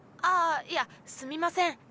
あいやすみません。